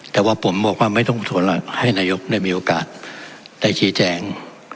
แต่ว่าผมบอกว่าไม่ต้องชวนหรอกให้นายกได้มีโอกาสได้ชี้แจง